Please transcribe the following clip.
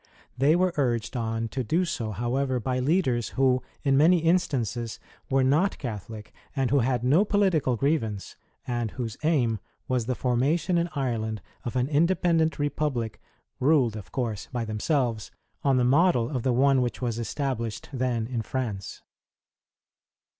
They were urged on to do so, however, by leaders who, in many instances, were not Catholic, and who had no political grievance, and whose aim was the formation in Ireland of an independent republic ruled, of course, by themselves, on the model of the one which was established then in France.